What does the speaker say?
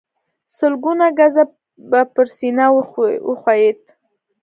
سلګونه ګزه به پر سينه وښويېد.